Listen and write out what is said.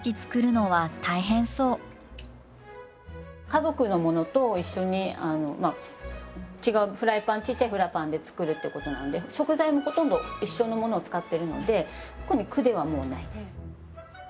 家族のものと一緒に違うフライパンちっちゃいフライパンで作るってことなんで食材もほとんど一緒のものを使ってるので特に苦ではないです。